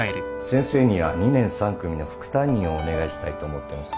先生には２年３組の副担任をお願いしたいと思ってます。